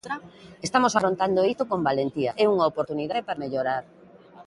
Estamos afrontando isto con valentía, é unha oportunidade para mellorar.